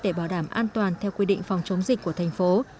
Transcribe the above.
để bảo đảm an toàn theo quy định phòng chống dịch của thành phố